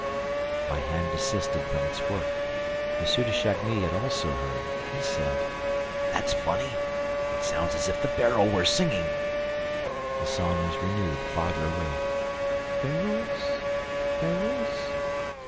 My hand desisted from its work. M. de Chagny had also heard. He said: "That's funny! It sounds as if the barrel were singing!" The song was renewed, farther away: "Barrels! ... Barrels!